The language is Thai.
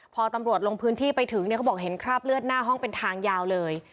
พอตำรวจลงพื้นที่ไปถึงเนี่ยเขาบอกเห็นคราบเลือดหน้าห้องเป็นทางยาวเลย